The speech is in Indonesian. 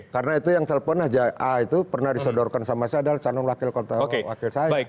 karena itu yang telpon haji a itu pernah disodorkan sama saya adalah channel wakil saya